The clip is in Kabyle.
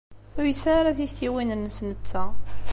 Ur yesɛi ara tiktiwin-nnes netta.